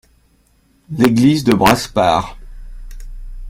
L’église de Brasparts.